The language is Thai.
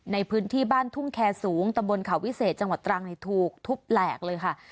ในพื้นที่บ้านทุ่งแคร์สูงตะบนเขาวิเศษจังหวัดตรังถูกทุบแหลกเลยค่ะ